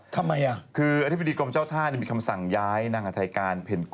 ที่หมุดดำไม่แต่งนะแต่ไม่เป็น